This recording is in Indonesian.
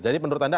jadi menurut anda